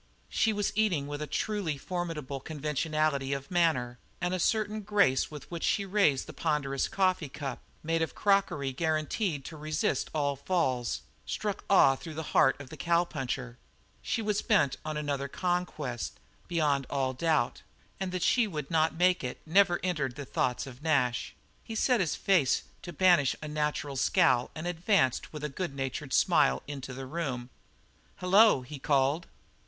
She was eating with a truly formidable conventionality of manner, and a certain grace with which she raised the ponderous coffee cup, made of crockery guaranteed to resist all falls, struck awe through the heart of the cowpuncher. She was bent on another conquest, beyond all doubt, and that she would not make it never entered the thoughts of Nash. He set his face to banish a natural scowl and advanced with a good natured smile into the room. "Hello!" he called.